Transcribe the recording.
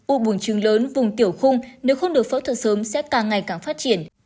u buồn chừng lớn vùng tiểu khung nếu không được phẫu thuật sớm sẽ càng ngày càng phát triển